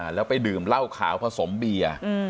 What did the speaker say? แล้วไปดื่มเหล้าขาวผสมเบียร์